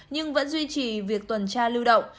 nhưng vẫn duy trì việc tuần tra lưu động